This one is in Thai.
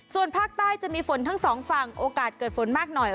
ส่วนภาคใต้จะมีฝนทั้งสองฝั่งโอกาสเกิดฝนมากหน่อย